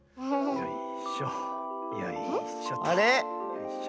よいしょ。